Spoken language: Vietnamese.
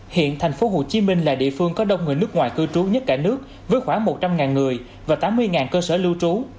hiện thành phố hồ chí minh là địa phương có đông người nước ngoài cư trú nhất cả nước với khoảng một trăm linh người và tám mươi cơ sở lưu trú